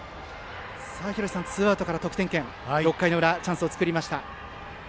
ツーアウトから得点圏６回の裏、チャンスを作りました。